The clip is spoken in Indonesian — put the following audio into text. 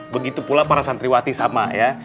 begitu pula para santriwati sama ya